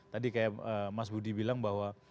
tadi kayak mas budi bilang bahwa